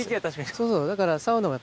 そうそう。